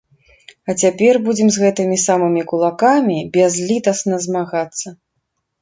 А цяпер будзем з гэтымі самымі кулакамі бязлітасна змагацца.